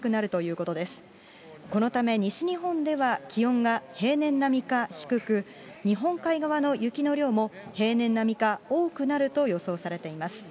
このため西日本では気温が平年並みか低く、日本海側の雪の量も、平年並みか多くなると予想されています。